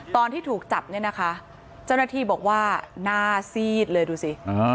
ตอนที่ถูกจับเนี่ยนะคะเจ้าหน้าที่บอกว่าหน้าซีดเลยดูสิ